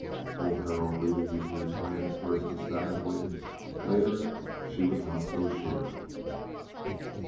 "Oh, Harold!" Rita used to exclaim at first, ecstatically. Later she was not so sure.